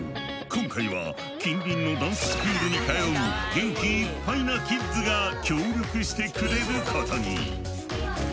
今回は近隣のダンススクールに通う元気いっぱいなキッズが協力してくれることに。